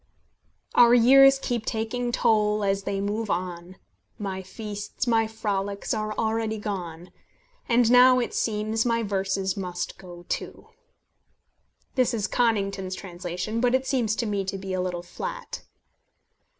"Our years keep taking toll as they move on; My feasts, my frolics, are already gone, And now, it seems, my verses must go too." This is Conington's translation, but it seems to me to be a little flat.